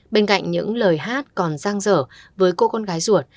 bên cạnh những lời hát còn giang dở với cô con gái ruột